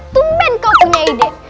tumpen kok punya ide